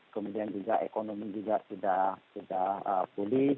kemudian juga ekonomi juga sudah pulih